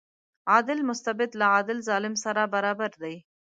عادل مستبد له عادل ظالم سره برابر دی.